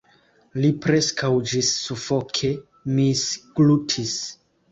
Li preskaŭ ĝissufoke misglutis.